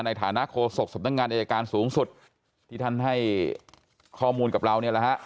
ในฐานะโคศกสำนักงานอายการสูงสุดที่ท่านให้ข้อมูลกับเรา